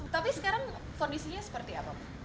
tapi sekarang kondisinya seperti apa